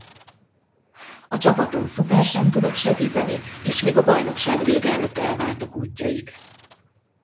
A csapaton Szuper sem tudott segíteni és még a bajnokság vége előtt elváltak útjaik.